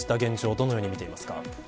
どのように見てますか。